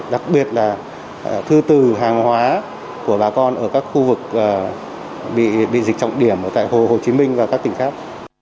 đặc biệt là thư từ hàng hóa của bà con ở các khu vực bị dịch trọng điểm tại hồ hồ chí minh và các tỉnh khác